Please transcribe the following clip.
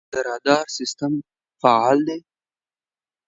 د رادار سیستم فعال دی؟